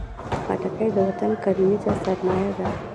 خټکی د وطن کرنیزه سرمایه ده.